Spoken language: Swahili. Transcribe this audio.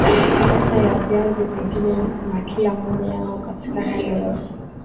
data ya vyanzo vingine na kila moja yao katika hali yoyote